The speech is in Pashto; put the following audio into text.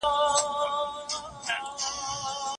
که ثبوت وي نو انکار نه کیږي.